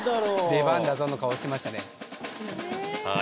「出番だぞ」の顔してましたねさあ